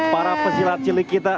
para pesilat cilik kita